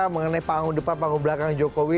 mengenai panggung depan panggung belakang jokowi